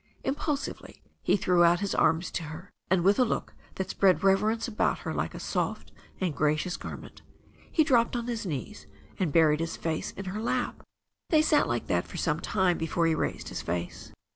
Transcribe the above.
Impulsively he threw out his arms to her, and with a look that spread reverence about her like a soft and gracious garment he dropped on his knees, and buried his face in her lap. They sat like that for some time before he raised his face.